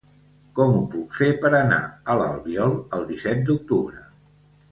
Com ho puc fer per anar a l'Albiol el disset d'octubre?